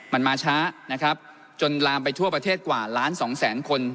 มันมาช้านะครับจนลามไปทั่วประเทศกว่าล้านสองแสนคน